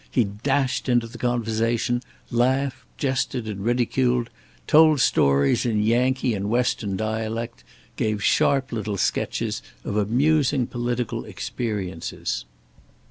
He dashed into the conversation; laughed, jested, and ridiculed; told stories in Yankee and Western dialect; gave sharp little sketches of amusing political experiences.